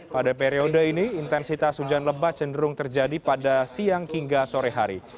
pada periode ini intensitas hujan lebat cenderung terjadi pada siang hingga sore hari